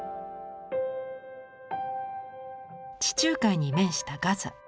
地中海に面したガザ。